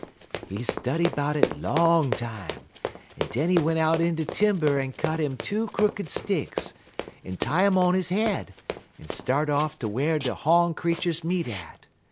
"He study 'bout it long time, en den he went out in de timber en cut 'im two crooked sticks, en tie um on his head, en start off ter whar de hawn creeturs meet at.